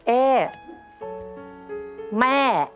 เอ๊ะ